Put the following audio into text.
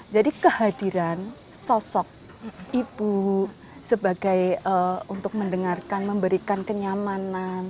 jadi kehadiran sosok ibu sebagai untuk mendengarkan memberikan kenyamanan